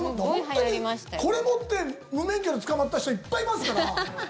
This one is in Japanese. これ持って、無免許で捕まった人いっぱいいますから。